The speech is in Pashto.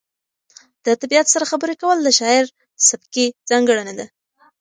د طبیعت سره خبرې کول د شاعر سبکي ځانګړنه ده.